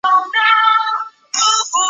这次寒流因北极震荡发生而引起。